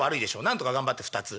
なんとか頑張って２つ」。